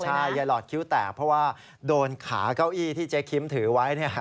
ใช่ยายหลอดคิ้วแตกเพราะว่าโดนขาเก้าอี้ที่เจ๊คิมถือไว้เนี่ย